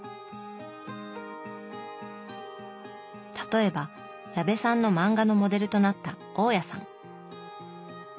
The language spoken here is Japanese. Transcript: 例えば矢部さんの漫画のモデルとなった大家さん。